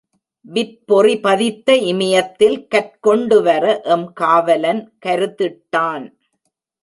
விற்பொறி பதித்த இமயத்தில் கற்கொண்டு வர எம் காவலன் கருதிட்டான்.